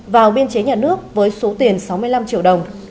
vào biên chế nhà nước với số tiền sáu mươi năm triệu đồng